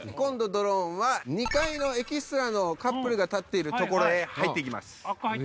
ドローンは２階のエキストラのカップルが立っている所へ入っていきます。